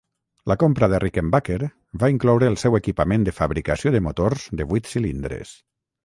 La compra de Rickenbacker va incloure el seu equipament de fabricació de motors de vuit cilindres.